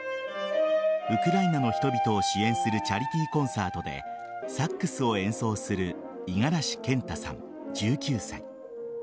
ウクライナの人々を支援するチャリティーコンサートでサックスを演奏する五十嵐健太さん、１９歳。